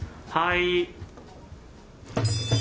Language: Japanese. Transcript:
はい。